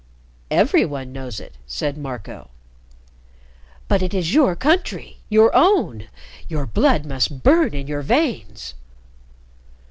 "Every one knows it," said Marco. "But it is your country your own! Your blood must burn in your veins!"